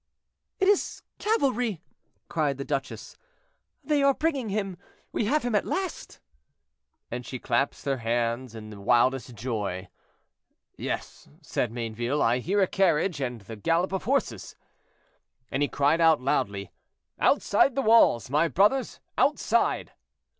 "It is cavalry!" cried the duchess; "they are bringing him, we have him at last;" and she clapped her hands in the wildest joy. "Yes," said Mayneville, "I hear a carriage and the gallop of horses." And he cried out loudly, "Outside the walls, my brothers, outside!"